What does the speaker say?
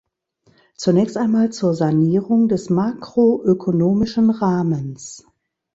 Zunächst einmal zur Sanierung des makroökonomischen Rahmens.